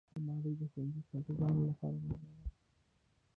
الماري د ښوونځي شاګردانو لپاره مهمه ده